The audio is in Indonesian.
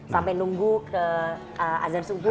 sampai nunggu ke azan subuh